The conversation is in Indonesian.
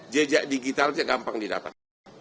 jejak digitalnya gampang didapat